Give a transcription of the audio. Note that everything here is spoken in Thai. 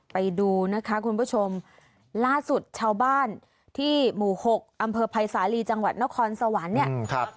ไปดูนะคะคุณผู้ชมล่าสุดชาวบ้านที่หมู่หกอำเภอภัยสาลีจังหวัดนครสวรรค์เนี่ยครับ